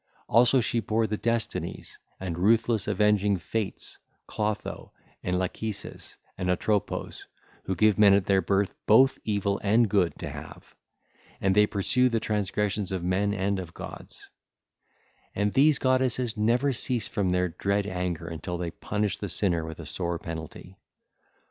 Also she bare the Destinies and ruthless avenging Fates, Clotho and Lachesis and Atropos 1610, who give men at their birth both evil and good to have, and they pursue the transgressions of men and of gods: and these goddesses never cease from their dread anger until they punish the sinner with a sore penalty.